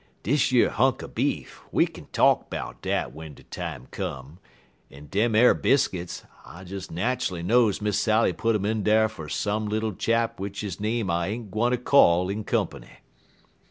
Dish yer hunk er beef, we kin talk 'bout dat w'en de time come, en dem ar biscuits, I des nat'ally knows Miss Sally put um in dar fer some little chap w'ich his name I ain't gwine ter call in comp'ny."